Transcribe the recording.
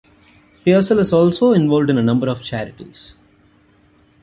Peirsol is also involved in a number of charities.